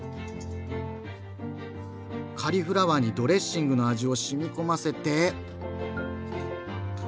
カリフラワーにドレッシングの味をしみこませて。